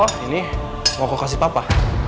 oh ini mama kasih papa